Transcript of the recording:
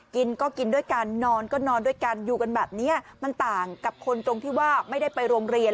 กินก็กินด้วยกันนอนก็นอนด้วยกันอยู่กันแบบนี้มันต่างกับคนตรงที่ว่าไม่ได้ไปโรงเรียน